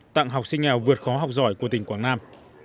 tặng học sinh nghèo vượt khó học giỏi của tỉnh quảng nam